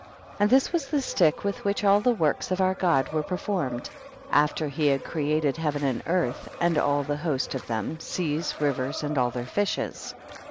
42. And this was the stick with which all the workst of our Cod were performed, after he had created heaven and earth, and all the host of them, seas, rivers and all their fishes.